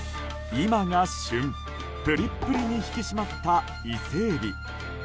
今が旬、プリプリに引き締まったイセエビ。